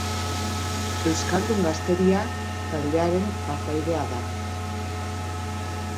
Euskaldun Gazteria taldearen partaidea da.